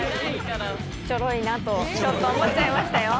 チョロいなとちょっと思っちゃいましたよ。